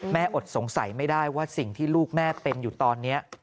อดสงสัยไม่ได้ว่าสิ่งที่ลูกแม่เป็นอยู่ตอนนี้